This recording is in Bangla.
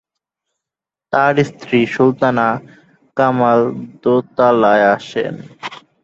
তার স্ত্রী সুলতানা কামাল দোতলায় আসেন।